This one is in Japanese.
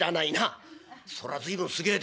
「そら随分すげえですね。